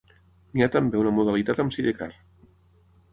N'hi ha també una modalitat amb sidecar.